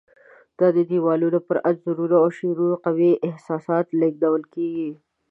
د دیوالونو پر انځورونو او شعرونو قوي احساسات لېږدول کېږي.